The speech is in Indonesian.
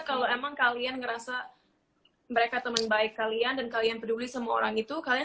kalau emang kalian ngerasa mereka teman baik kalian dan kalian peduli sama orang itu kalian